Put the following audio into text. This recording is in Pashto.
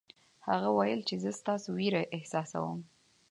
هغه وویل چې زه ستاسې وېره احساسوم.